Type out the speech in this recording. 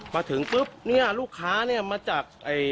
มาถึงปุ๊บเนี่ยลูกค้าเนี่ยมาจาก